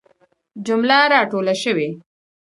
جمله را ټوله سوي.